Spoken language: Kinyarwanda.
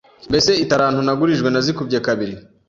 Mbese italanto nagurijwe nazikubye kabiri?